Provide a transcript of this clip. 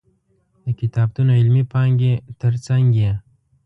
د کتابتون علمي پانګې تر څنګ یې.